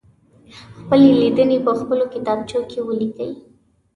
خپلې لیدنې په خپلو کتابچو کې ولیکئ.